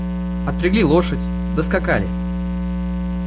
Отпрягли лошадь, доскакали..